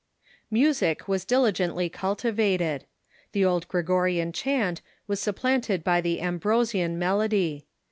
Music was diligently cultivated. The old Gregorian chant was supplanted by the Ambrosian melody.